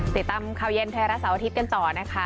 ติดตามข่าวเย็นไทยรัฐเสาร์อาทิตย์กันต่อนะคะ